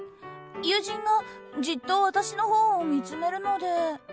友人がじっと私のほうを見つめるので。